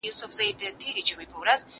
زه به سبا د لغتونو تمرين کوم؟!